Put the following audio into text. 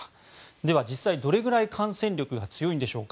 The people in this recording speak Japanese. では、実際はどれぐらい感染力が強いのでしょうか。